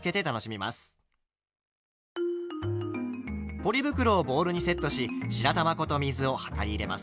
ポリ袋をボウルにセットし白玉粉と水を量り入れます。